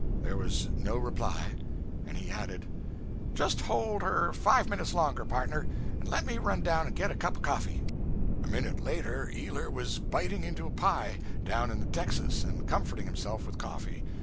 There was no reply, and he added 'Just hold her five minutes longer, partner, and let me run down and get a cup of coffee.' A minute later Ealer was biting into a pie, down in the 'texas,' and comforting himself with coffee.